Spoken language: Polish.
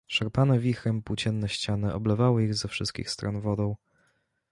Szarpane wichrem płócienne ściany oblewały ich ze wszystkich stron wodą.